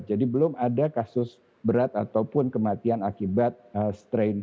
jadi belum ada kasus berat ataupun kematian akibat strain omikron